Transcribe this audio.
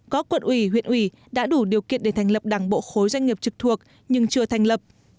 có quận ủy huyện ủy đã đủ điều kiện để thành lập đảng bộ khối doanh nghiệp trực thuộc nhưng chưa thành lập